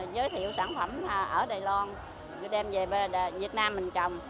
giới thiệu sản phẩm ở đài loan đem về việt nam mình trồng